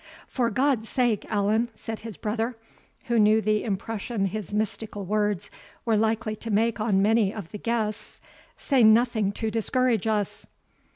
"For God's sake, Allan," said his brother, who knew the impression his mystical words were likely to make on many of the guests, "say nothing to discourage us."